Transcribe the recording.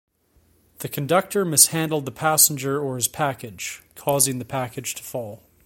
The conductor mishandled the passenger or his package, causing the package to fall.